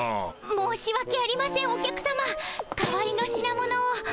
申しわけありませんお客さま代わりの品物を。